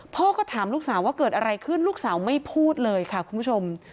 พ่อก็ถามลูกสาวว่าเกิดอะไรขึ้นลูกสาวไม่พูดเลยค่ะคุณผู้ชม